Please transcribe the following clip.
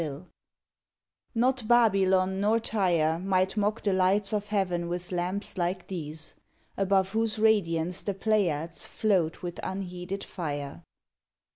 in PERSONAL POEMS Not Babylon nor Tyre Might mock the lights of Heaven with lamps like these, Above whose radiance the Pleiades Float with unheeded fire.